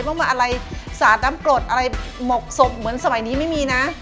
ต้องมาอะไรสาดน้ำกรดอะไรหมกศพเหมือนสมัยนี้ไม่มีนะ